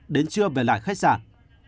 đến trưa về lại khách sạn